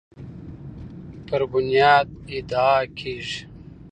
پر بنیاد ادعا کیږي